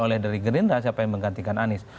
oleh dari gerindra siapa yang menggantikan anies